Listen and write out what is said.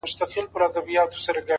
مثبت انسان د تیارو منځ کې رڼا ویني،